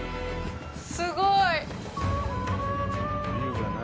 すごい。